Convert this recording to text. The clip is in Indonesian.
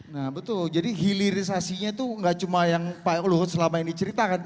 nah betul jadi hilirisasinya itu nggak cuma yang pak luhut selama ini ceritakan